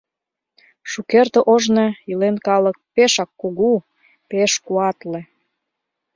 «Шукерте ожно илен калык Пешак кугу, пеш куатле;